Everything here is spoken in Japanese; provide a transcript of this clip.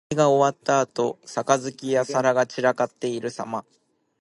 酒宴が終わったあと、杯や皿が散らかっているさま。